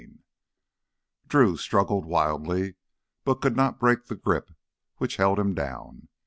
17 Drew struggled wildly but he could not break the grip which held him down.